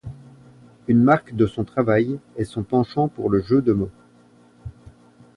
Une marque de son travail est son penchant pour le jeu de mots.